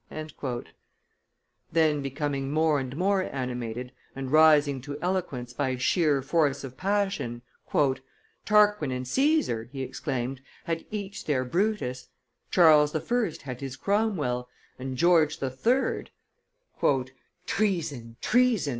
'" Then becoming more and more animated and rising to eloquence by sheer force of passion: "Tarquin and Caesar," he exclaimed, "had each their Brutus; Charles I. had his Cromwell, and George III. ..." "Treason! treason!"